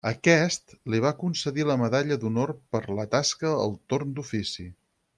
Aquest li va concedir la medalla d'honor per la tasca al torn d'ofici.